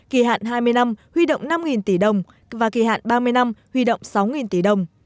kỳ hạn hai mươi năm huy động năm tỷ đồng và kỳ hạn ba mươi năm huy động sáu tỷ đồng